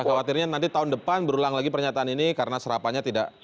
khawatirnya nanti tahun depan berulang lagi pernyataan ini karena serapannya tidak